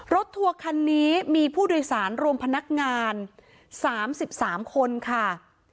ทัวร์คันนี้มีผู้โดยสารรวมพนักงาน๓๓คนค่ะ